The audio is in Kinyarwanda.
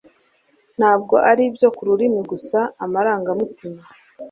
Ntabwo ari ibyo ku rurimi gusa amarangamutima